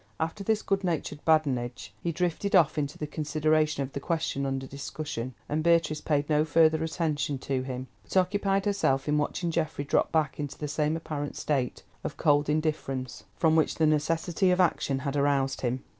After this good natured badinage, he drifted off into the consideration of the question under discussion, and Beatrice paid no further attention to him, but occupied herself in watching Geoffrey drop back into the same apparent state of cold indifference, from which the necessity of action had aroused him.